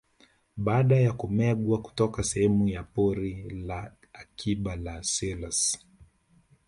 Baada ya kumegwa kutoka sehemu ya Pori la Akiba la Selous